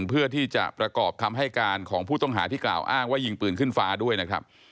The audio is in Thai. เพื่อที่จะประกอบคำให้การของผู้ต้องหาที่กล่าวอ้างว่ายิงปืนขึ้นฟ้าด้วยนะครับ